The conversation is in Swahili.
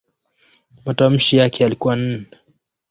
Matamshi yake yalikuwa "n".